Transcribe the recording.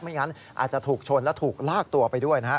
งั้นอาจจะถูกชนและถูกลากตัวไปด้วยนะฮะ